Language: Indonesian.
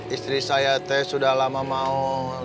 istri saya teh sudah lama mau